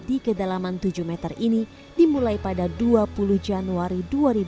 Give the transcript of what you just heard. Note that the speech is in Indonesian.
di kedalaman tujuh meter ini dimulai pada dua puluh januari dua ribu dua puluh